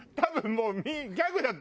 もう。